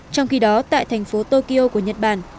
trong khi đó tại thành phố tokyo của nhật bản